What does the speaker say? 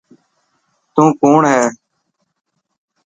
تون ڪوڻ هي.